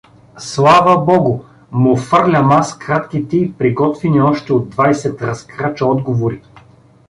Слава Богу… — му фърлям аз кратките и приготвени още от двайсет разкрача отговори.